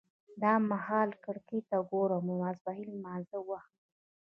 دا مهال ګړۍ ته ګورم او د ماسپښین د لمانځه وخت دی.